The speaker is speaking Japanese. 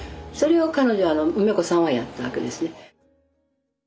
それを彼女は梅子さんはやったわけですね。